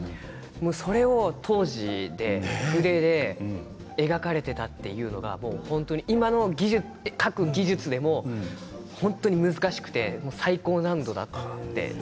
それを当時、筆で描かれていたというのは本当に、今の描く技術でも難しくて最高難度だって。